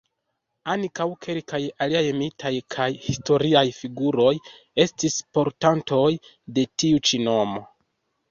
Ankaŭ kelkaj aliaj mitaj kaj historiaj figuroj estis portantoj de tiu ĉi nomo.